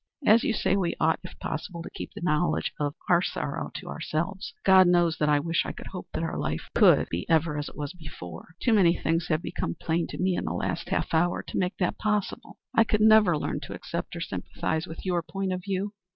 As you say, we ought, if possible, to keep the knowledge of our sorrow to ourselves. God knows that I wish I could hope that our life could ever be as it was before. Too many things have become plain to me in the last half hour to make that possible. I could never learn to accept or sympathize with your point of view.